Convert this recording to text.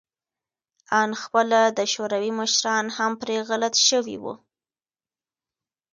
آن خپله د شوروي مشران هم پرې غلط شوي وو